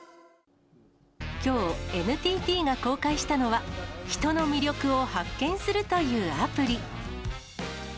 きょう、ＮＴＴが公開したのは、人の魅力を発見するというアプリ。